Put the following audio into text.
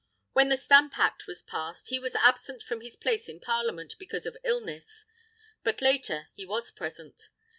When the Stamp Act was passed, he was absent from his place in Parliament, because of illness. But later, he was present.